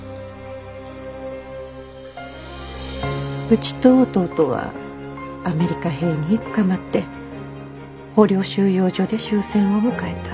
うちと弟はアメリカ兵につかまって捕虜収容所で終戦を迎えた。